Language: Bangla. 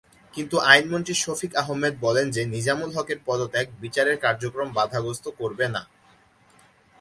কিন্তু আইনমন্ত্রী শফিক আহমেদ বলেন যে, নিজামুল হকের পদত্যাগ বিচারের কার্যক্রম বাঁধাগ্রস্ত করবে না।